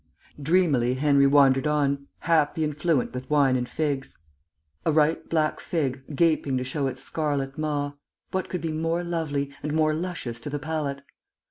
Dreamily Henry wandered on, happy and fluent with wine and figs. A ripe black fig, gaping to show its scarlet maw what could be more lovely, and more luscious to the palate?